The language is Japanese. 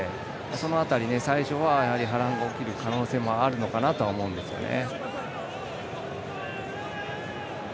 その辺り、最初は波乱が起きる可能性はあるのかなと思うんですね。